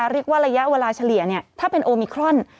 เรียกว่าระยะเวลาเฉลี่ยถ้าเป็นโอมิครอน